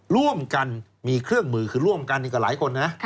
ร่วมกันมีเครื่องมือคือร่วมกันอีกกับหลายคนนะ